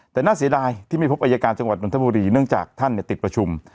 แต่น่าเสียดายที่ไม่พบอายการจังหวัดนทบุรีเนื่องจากท่านติดประชุม